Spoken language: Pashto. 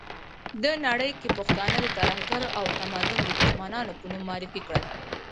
ده نړۍ کې پښتانه د ترهګرو او تمدن دښمنانو په نوم معرفي کړل.